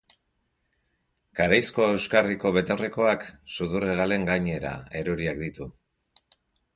Kareizko euskarriko betaurrekoak sudurhegalen gainera eroriak ditu.